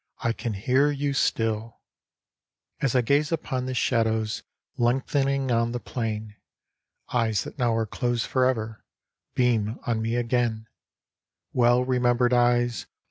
I can hear you still ! As I gaze upon the shadows Lengthening on the plain. Eyes that now are closed for ever Beam on me again, — Well remembered eyes